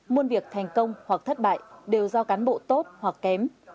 muôn việc thành công hoặc thất bại đều do cán bộ tốt hoặc kém